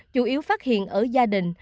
chủ yếu phát hiện ở gia đình